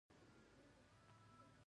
آیا صادرات له وارداتو زیاتیږي؟